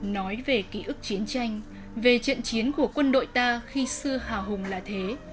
nói về ký ức chiến tranh về trận chiến của quân đội ta khi xưa hào hùng là thế